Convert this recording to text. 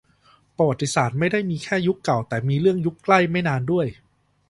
ประวัติศาสตร์ไม่ได้มีแค่ยุคเก่า แต่มีเรื่องยุคใกล้ไม่นานด้วย